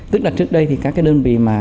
tức là trước đây thì các đơn vị